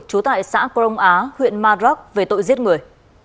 trú tại xã crong á huyện maroc về tội giết người